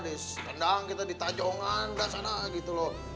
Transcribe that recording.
ditendang kita ditacongan dah sana gitu loh